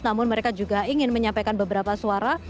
namun mereka juga ingin menyampaikan beberapa suara